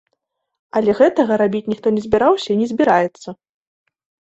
Але гэтага рабіць ніхто не збіраўся і не збіраецца.